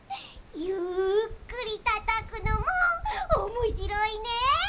ゆっくりたたくのもおもしろいね！